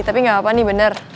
tapi gak apa apa nih bener